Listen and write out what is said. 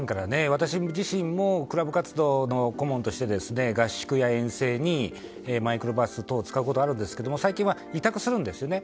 私自身もクラブ活動の顧問として合宿や遠征にマイクロバス等を使うこともあるんですけれども最近は委託するんですよね。